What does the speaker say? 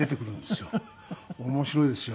面白いですよ。